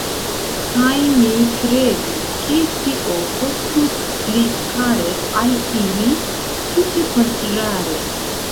Kaj ne kredu, ke tio kostus pli kare al ili: tute kontraŭe!